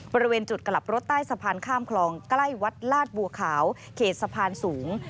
บริเวณจุดกลับรถใต้สะพานข้ามคลองใกล้วัดลาดบัวขาวเขตสะพานสูง